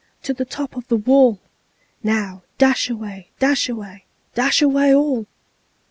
To the top of the wall! Now, dash away! Dash away! Dash away all!"